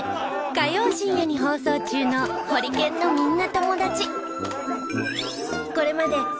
火曜深夜に放送中の『ホリケンのみんなともだち』。